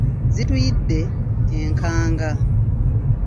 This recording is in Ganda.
Zituyidde enkanga.